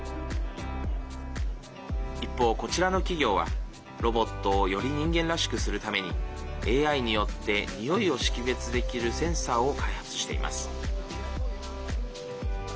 一方こちらの企業は、ロボットをより人間らしくするためにＡＩによってにおいを識別できるセンサーを開発しています。